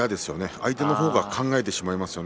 相手の方が考えてしまいますね